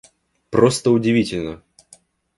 Просто удивительно!